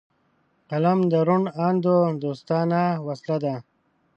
قلم د روڼ اندو دوستانه وسله ده